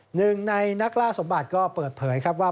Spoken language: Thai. หนึ่งในนักล่าสมบัติก็เปิดเผยครับว่า